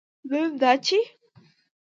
دویم دا چې